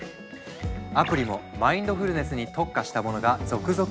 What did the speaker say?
アプリもマインドフルネスに特化したものが続々登場。